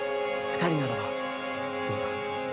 二人ならばどうだ？